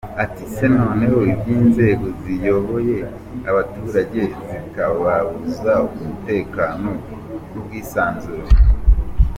Ati se noneho ibyinzego ziyoboye abaturage zikababuza umutekano n’ubwisanzure.